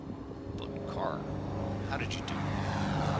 "But Carr. How did you do it?